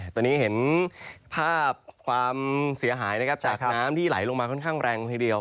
ตอนนี้เห็นภาพความเสียหายนะครับจากน้ำที่ไหลลงมาค่อนข้างแรงละทีเดียว